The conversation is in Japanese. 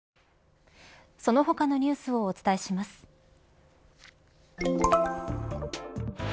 その他のニュースをお伝えします。